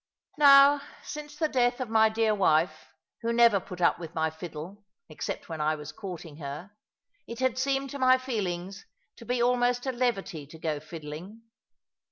Now, since the death of my dear wife, who never put up with my fiddle (except when I was courting her), it had seemed to my feelings to be almost a levity to go fiddling.